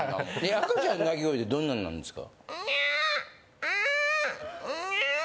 赤ちゃんの泣き声ってどんなんなんですか？